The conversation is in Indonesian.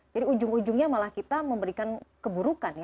jadi ujung ujungnya kita memberikan keburukan